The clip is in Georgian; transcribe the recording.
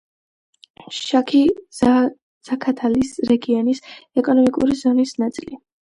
შაქი-ზაქათალის რეგიონის ეკონომიკური ზონის ნაწილი.